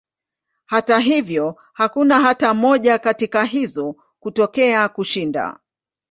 Hata hivyo, hakuna hata moja katika hizo kutokea kushinda.